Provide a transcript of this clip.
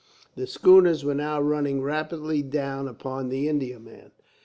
The schooners were now running rapidly down upon the Indiaman.